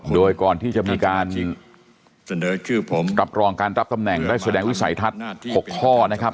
โดยก่อนที่จะมีการเสนอชื่อผมรับรองการรับตำแหน่งได้แสดงวิสัยทัศน์๖ข้อนะครับ